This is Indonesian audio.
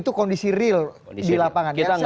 itu kondisi real di lapangan ya